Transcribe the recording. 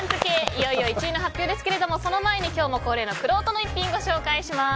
いよいよ１位の発表ですけれどもその前に今日も恒例のくろうとの逸品ご紹介します。